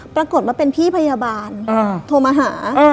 ปรากฏว่าเป็นพี่พยาบาลโทรมาหา